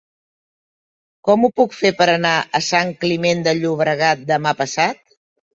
Com ho puc fer per anar a Sant Climent de Llobregat demà passat?